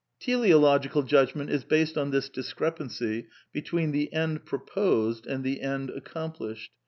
Teleological judgment is based on this discrepancy be tween the end proposed and the end accomplished.